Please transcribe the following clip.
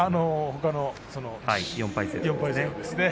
ほかの４敗勢ですね。